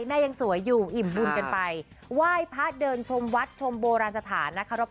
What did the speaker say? ยังสวยอยู่อิ่มบุญกันไปไหว้พระเดินชมวัดชมโบราณสถานนะคะ